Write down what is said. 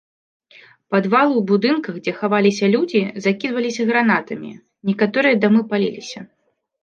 Падвалы ў будынках, дзе хаваліся людзі закідваліся гранатамі, некаторыя дамы паліліся.